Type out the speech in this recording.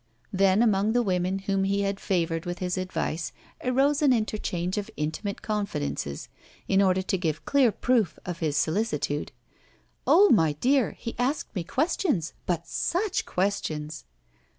Then, among the women whom he had favored with his advice arose an interchange of intimate confidences, in order to give clear proof of his solicitude. "Oh! my dear, he asked me questions but such questions!"